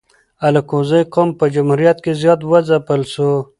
الکوزي قوم په جمهوریت کی زیات و ځپل سو